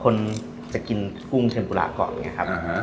คนจะกินกุ้งเชิญปุระก่อนอย่างนี้ครับ